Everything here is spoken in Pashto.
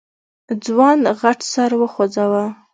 ځوان غټ سر وخوځوه.